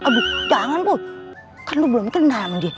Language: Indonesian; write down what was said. aduh jangan poy kan lu belum kena hati